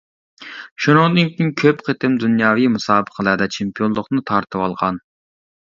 شۇنىڭدىن كېيىن كۆپ قېتىم دۇنياۋى مۇسابىقىلەردە چېمپىيونلۇقنى تارتىۋالغان.